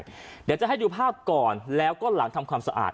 เดี๋ยวจะให้ดูภาพก่อนแล้วก็หลังทำความสะอาด